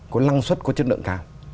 có lăng suất có chất lượng cao